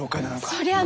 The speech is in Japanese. そりゃあ。